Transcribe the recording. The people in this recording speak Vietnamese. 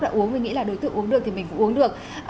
đã uống mình nghĩ là đối tượng uống được thì mình cũng uống được